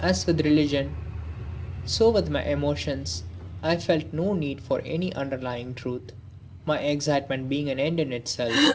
As with religion, so with my emotions, I felt no need for any underlying truth, my excitement being an end in itself.